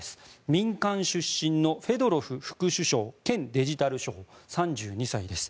民間出身のフェドロフ副首相兼デジタル相、３２歳です。